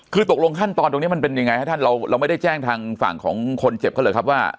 คือตกลงขั้นตอนตรงนี้มันเป็นยังไงฮะท่านเราไม่ได้แจ้งทางฝั่งของคนเจ็บเขาเลยครับว่า